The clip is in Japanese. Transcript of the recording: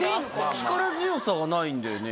力強さがないんだよね。